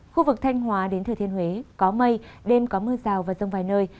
khu vực thanh hóa đến thừa thiên huế có mây đêm có mưa rào và rông vài nơi